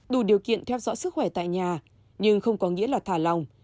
đủ điều kiện theo dõi sức khỏe tại nhà nhưng không có nghĩa là thả lòng